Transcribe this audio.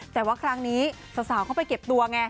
แต่ว่าครั้งนี้สาวเขาไปเก็บตัวไง